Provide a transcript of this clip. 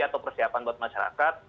atau persiapan buat masyarakat